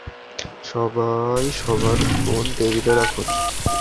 সবাই সবার ফোন টেবিলে রাখুন।